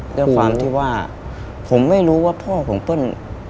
ด้วยความที่ว่าผมไม่รู้ว่าพ่อของเปิ้ล